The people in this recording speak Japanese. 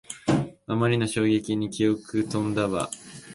あまりの衝撃に記憶とんだわ